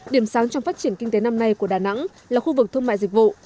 điểm sáng trong phát triển kinh tế năm nay của đà nẵng là khu vực thương mại dịch vụ